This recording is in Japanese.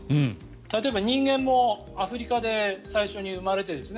例えば、人間もアフリカで最初に生まれてですね。